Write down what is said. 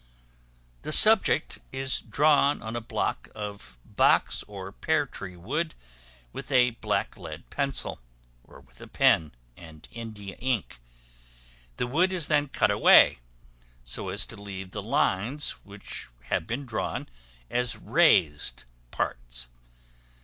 The subject is drawn on a block of box or pear tree wood with a black lead pencil, or with a pen and Indian ink; the wood is then cut away, so as to leave the lines which have been drawn, as raised parts.